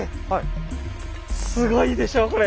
すごいでしょうこれ。